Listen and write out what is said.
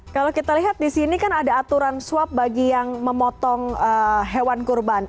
kalau kita lihat di sini kan ada aturan swab bagi yang memotong hewan kurban